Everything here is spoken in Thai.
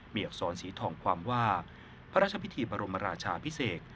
มีอักษรสีทองความว่าพระราชพิธีบรมราชาพิเศษ